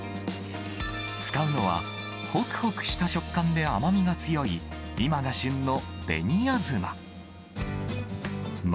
使うのは、ほくほくした食感で甘みが強い、今が旬の紅あずま。